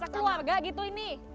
teram keluarga gitu ini